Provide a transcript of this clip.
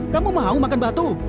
kamu mau makan batu